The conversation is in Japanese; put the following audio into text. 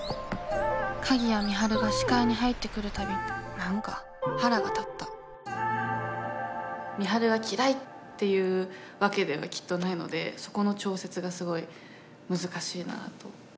鍵谷美晴が視界に入ってくるたび何か腹が立った美晴が嫌いっていうわけではきっとないのでそこの調節がすごい難しいなと。